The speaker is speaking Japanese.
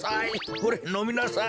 ほれのみなさい！